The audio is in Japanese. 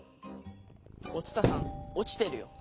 お伝さん落ちてるよ。